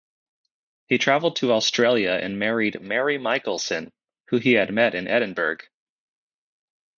He travelled to Australia and married Mary Michaelson, who he had met in Edinburgh.